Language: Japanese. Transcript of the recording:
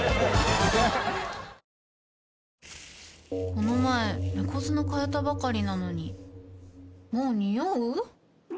この前猫砂替えたばかりなのにもうニオう？